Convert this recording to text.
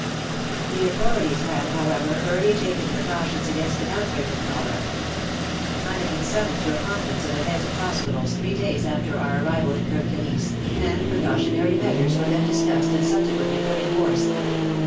The authorities had, however, early taken precautions against an outbreak of cholera. I had been summoned to a conference of the Heads of Hospitals three days after our arrival in Kirk Kilisse, and precautionary measures were then discussed and subsequently put in force.